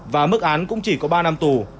và mức án cũng chỉ có ba năm tù